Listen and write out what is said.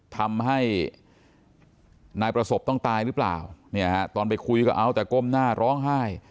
ทำให้นายประสบต้องตายหรือเปล่าเนี่ยฮะตอนไปคุยก็เอาแต่ก้มหน้าร้องไห้